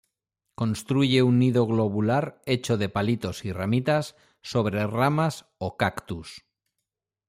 Construye un nido globular, hecho de palitos y ramitas, sobre ramas o cactus.